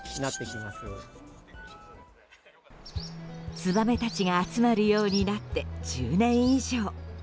ツバメたちが集まるようになって１０年以上。